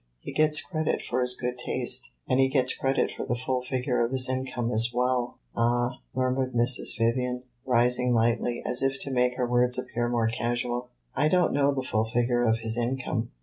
"He gets credit for his good taste and he gets credit for the full figure of his income as well!" "Ah," murmured Mrs. Vivian, rising lightly, as if to make her words appear more casual, "I don't know the full figure of his income."